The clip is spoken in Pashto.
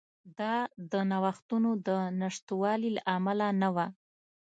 دا د نوښتونو د نشتوالي له امله نه وه.